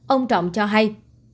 ông trọng cho hay